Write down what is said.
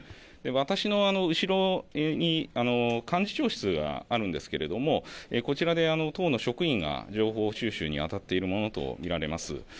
私の後ろに幹事長室があるんですがこちらで、党の職員が情報収集に当たっているものと見られます。